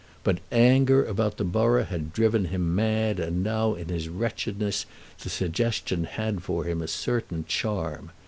But anger about the borough had driven him mad, and now in his wretchedness the suggestion had for him a certain charm.